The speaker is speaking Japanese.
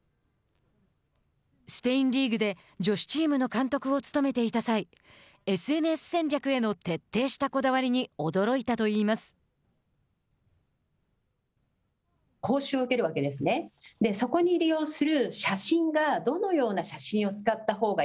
スペインリーグで女子チームの監督を務めていた際ＳＮＳ戦略への徹底したこだわりに驚いたといいます。